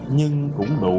nhưng cũng đủ